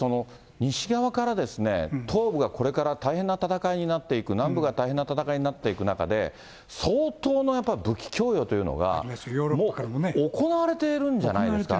つまり、西側から東部がこれから大変な戦いになっていく、南部が大変な戦いになっていく中で、相当なやっぱり武器供与というのがもう、行われているんじゃないですか。